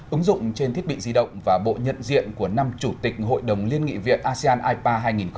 ứng dụng trên thiết bị di động và bộ nhận diện của năm chủ tịch hội đồng liên nghị viện asean ipa hai nghìn hai mươi